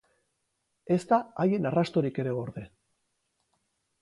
Ez da haien arrastorik ere gorde.